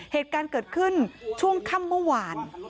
เหตุการณ์เกิดขึ้นช่วงค่ำเมื่อวาน